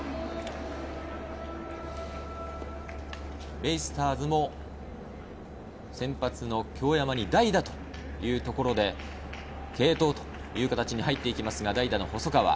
ベイスターズの先発の京山に代打というところで、継投という形に入ってきますが、代打の細川。